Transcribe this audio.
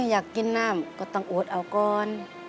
อยากกินน้ำก็ต้องอดเอาก่อน